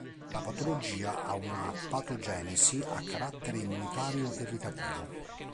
La patologia ha una patogenesi a carattere immunitario-irritativo.